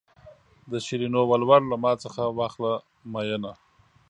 د شیرینو ولور له ما څخه واخله مینه.